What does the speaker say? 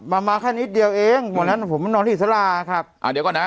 มามาแค่นิดเดียวเองวันนั้นผมนอนอิสระครับอ่าเดี๋ยวก่อนนะ